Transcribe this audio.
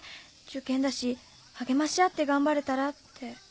受験だし励まし合って頑張れたらって。